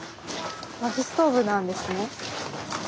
まきストーブなんですね。